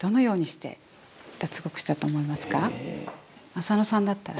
浅野さんだったら。